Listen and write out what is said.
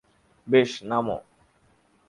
বেশ, নামো।